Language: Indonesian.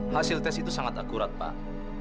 hasil tes itu sangat akurat pak